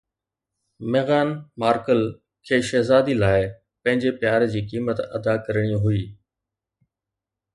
ميغان MARKAL کي شهزادي لاءِ پنهنجي پيار جي قيمت ادا ڪرڻي هئي